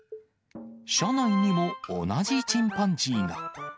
社内にも同じチンパンジーが。